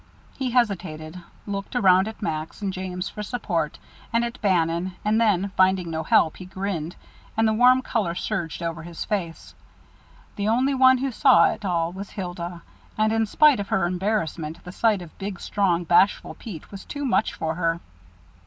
He hesitated, looked around at Max and James for support and at Bannon, and then, finding no help, he grinned, and the warm color surged over his face. The only one who saw it all was Hilda, and in spite of her embarrassment the sight of big, strong, bashful Pete was too much for her.